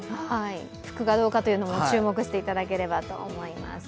吹くかどうかも注目していただければと思います。